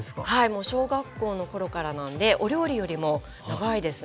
もう小学校の頃からなんでお料理よりも長いですね。